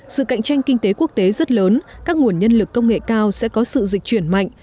sự cạnh tranh kinh tế quốc tế rất lớn các nguồn nhân lực công nghệ cao sẽ có sự dịch chuyển mạnh